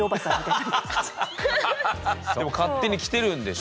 でも勝手に着てるんでしょ？